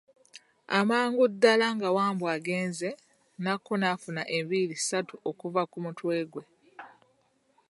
Amangu ddala nga Wambwa agenze, Nakku n'afuna enviiri ssatu okuva ku mutwe gwe.